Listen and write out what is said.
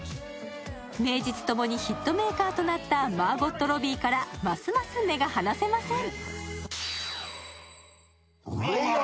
名実共にヒットメーカーとなったマーゴット・ロビーからますます目が離せません。